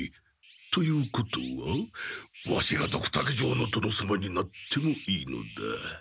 ということはワシがドクタケ城の殿様になってもいいのだ。